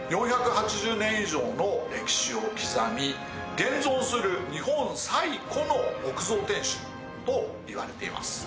４８０年以上の歴史を刻み現存する日本最古の木造天守といわれています。